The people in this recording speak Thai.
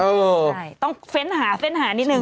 เออใช่ต้องเฟ้นหานิดหนึ่ง